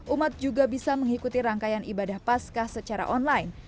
umat juga bisa mengikuti rangkaian ibadah pascah secara online